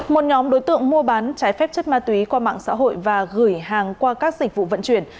một nhóm đối tượng mua bán trái phép chất ma túy qua mạng xã hội và gửi hàng qua các dịch vụ vận chuyển